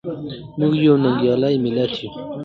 موږ یو ننګیالی ملت یو.